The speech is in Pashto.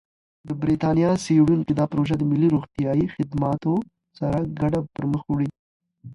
د بریتانیا څېړونکي دا پروژه د ملي روغتیايي خدماتو سره ګډه پرمخ وړي.